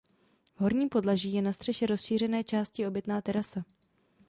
V horním podlaží je na střeše rozšířené části obytná terasa.